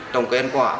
trồng cây ăn quả